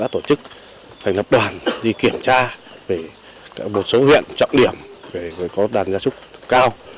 thành lập đoàn đi kiểm tra về một số huyện trọng điểm về có đàn gia súc cao